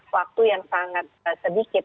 waktu yang sangat sedikit